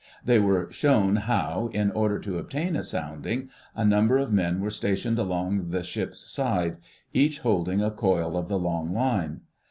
They were shown how, in order to obtain a sounding, a number of men were stationed along the ship's side, each holding a coil of the long line.